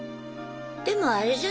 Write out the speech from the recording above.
でもあれじゃない？